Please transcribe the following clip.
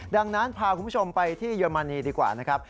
ดังนั้นพาคุณผู้ชมไปที่เยอรมนีดีกว่านะครับ